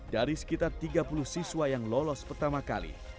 dari sekitar tiga puluh siswa yang lolos pertama kali